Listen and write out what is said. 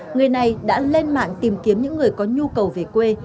người này đã lên mạng tìm kiếm những người có nhu cầu về quê